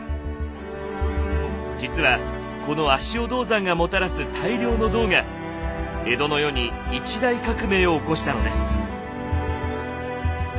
実はこの足尾銅山がもたらす大量の銅が江戸の世に一大革命を起こしたのです。